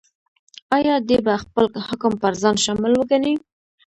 ایا دی به خپل حکم پر ځان شامل وګڼي؟